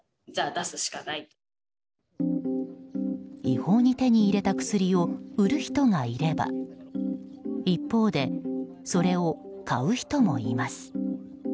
違法に手に入れた薬を売る人がいれば一方でそれを買う人もいます。